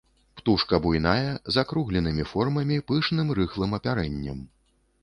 Птушка буйная, а акругленымі формамі, пышным, рыхлым апярэннем.